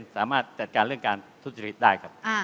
สามารถจัดการเรื่องการทุจริตได้ครับ